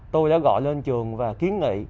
tôi đã gọi lên trường và kiến nghị